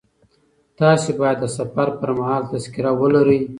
تاسي باید د سفر پر مهال تذکره ولرئ.